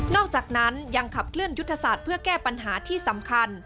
อกจากนั้นยังขับเคลื่อนยุทธศาสตร์เพื่อแก้ปัญหาที่สำคัญ